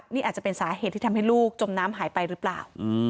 นี่อาจจะเป็นสาเหตุที่ทำให้ลูกจมน้ำหายไปหรือเปล่า